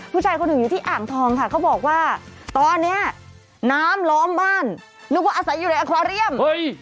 ผู้ชายคนหนึ่งอยู่ที่อ่างทองค่ะเขาบอกว่าตอนนี้น้ำล้อมบ้านนึกว่าอาศัยอยู่ในอาคอเรียม